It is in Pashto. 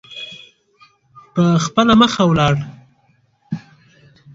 په خپله مخه ولاړل.